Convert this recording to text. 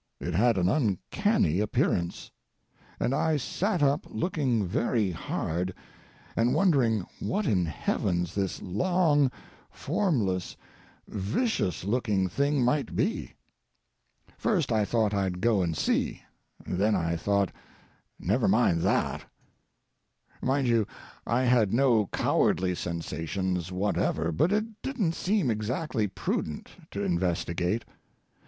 It had an uncanny appearance. And I sat up looking very hard, and wondering what in heaven this long, formless, vicious looking thing might be. First I thought I'd go and see. Then I thought, "Never mind that." Mind you, I had no cowardly sensations whatever, but it didn't seem exactly prudent to investigate.